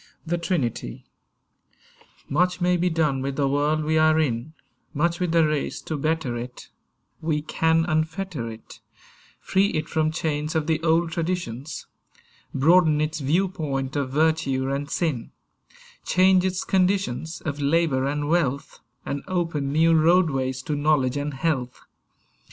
THE TRINITY MUCH may be done with the world we are in, Much with the race to better it; We can unfetter it, Free it from chains of the old traditions; Broaden its viewpoint of virtue and sin; Change its conditions Of labour and wealth; And open new roadways to knowledge and health.